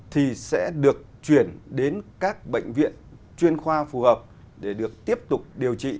thì sẽ được chuyển đến các bệnh viện chuyên khoa phù hợp để được tiếp tục điều trị